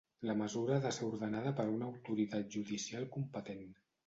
La mesura ha de ser ordenada per una autoritat judicial competent.